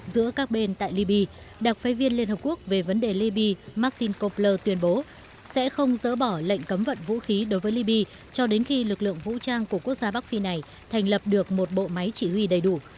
giữa các bên tại liby đặc phái viên liên hợp quốc về vấn đề liby martin kopler tuyên bố sẽ không dỡ bỏ lệnh cấm vận vũ khí đối với libya cho đến khi lực lượng vũ trang của quốc gia bắc phi này thành lập được một bộ máy chỉ huy đầy đủ